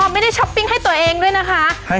ไม่ได้ให้ตัวเองด้วยนะคะให้ให้เนี้ย